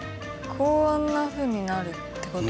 こんなふうになるってこと？